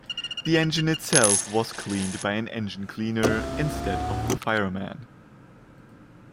The engine itself was cleaned by an engine cleaner instead of the fireman.